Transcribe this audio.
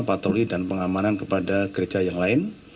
patroli dan pengamanan kepada gereja yang lain